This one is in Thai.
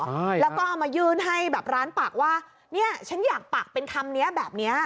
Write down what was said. ใช่แล้วก็เอามายื่นให้แบบร้านปักว่าเนี่ยฉันอยากปักเป็นคำเนี้ยแบบเนี้ย